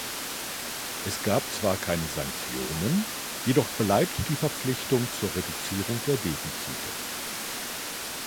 Es gab zwar keine Sanktionen, jedoch bleibt die Verpflichtung zur Reduzierung der Defizite.